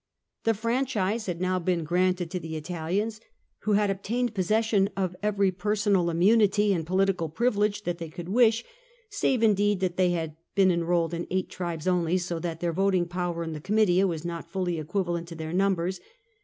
The franchise had now been granted to the Italians, who had obtained possession 01 every personal immunity and poli tical privilege that they could wish — save indeed that they had been enrolled in eight tribes only, so that their voting power in the Comitia was not fully equivalent to their numbers.